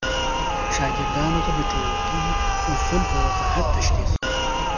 شاګردانو ته د ټولګي اصول په وضاحت تشریح شول.